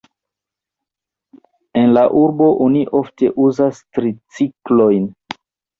En la urbo oni ofte uzas triciklojn.